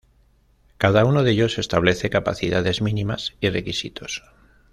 Cada uno de ellos establece capacidades mínimas y requisitos.